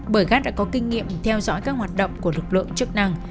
bởi gác đã có kinh nghiệm theo dõi các hoạt động của lực lượng chức năng